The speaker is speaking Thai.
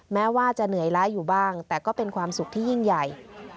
แม้ว่าจะเหนื่อยร้ายอยู่บ้างแต่ก็เป็นความสุขที่ยิ่งใหญ่